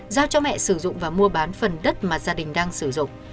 giao cho mẹ sử dụng và mua bán phần đất mà gia đình đang sử dụng